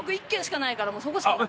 そこしかない。